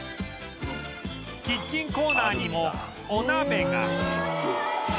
キッチンコーナーにもお鍋が